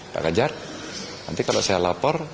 pak ganjar nanti kalau saya lapor